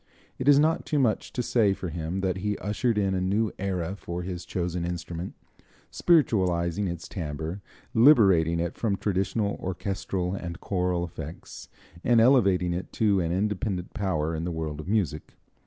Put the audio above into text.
It is not too much to say for him that he ushered in a new era for his chosen instrument, spiritualizing its timbre, liberating it from traditional orchestral and choral effects, and elevating it to an independent power in the world of music.